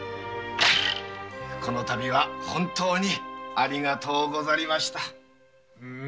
このたびは本当にありがとうございました。